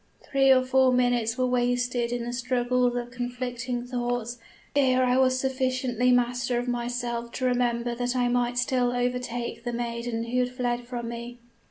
Three or four minutes were wasted in the struggles of conflicting thoughts, ere I was sufficiently master of myself to remember that I might still overtake the maiden who had fled from me.